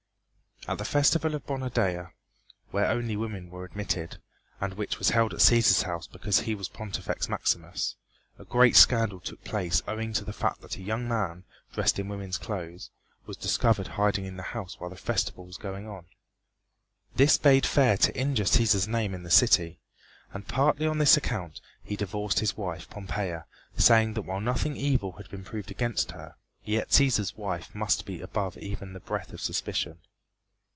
At the festival of Bona Dea, where only women were admitted, and which was held at Cæsar's house because he was Pontifex Maximus, a great scandal took place owing to the fact that a young man, dressed in woman's clothes was discovered hiding in the house while the festival was going on. This bade fair to injure Cæsar's name in the city, and partly on this account he divorced his wife, Pompeia, saying that while nothing evil had been proved against her, yet Cæsar's wife must be above even the breath of suspicion.